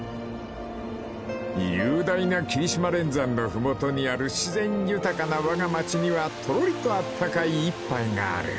［雄大な霧島連山の麓にある自然豊かなわが町にはとろりとあったかい一杯がある］